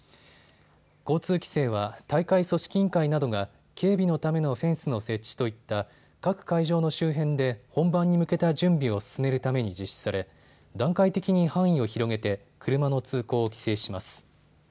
交通規制は大会組織委員会などが警備のためのフェンスの設置といった各会場の周辺で本番に向けた準備を進めるために実施され段階的に範囲を広げて車の通行を規制します。